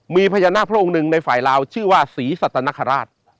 มีพญานาคพระองค์หนึ่งในฝ่ายลาวชื่อว่าศรีสัตนคราช